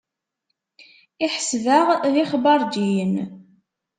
Iḥseb-aɣ d ixbaṛǧiyen.